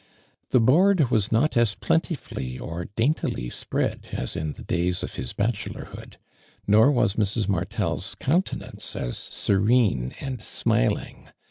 The board was not as plentifully or daintily spread as in t he days of his bachelorhood ; noi was Mrs. Marfcel'* coun tenance as serene and smiling.